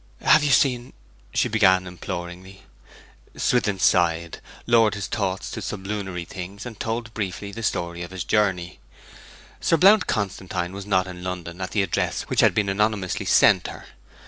'Have you seen ' she began imploringly. Swithin sighed, lowered his thoughts to sublunary things, and told briefly the story of his journey. Sir Blount Constantine was not in London at the address which had been anonymously sent her.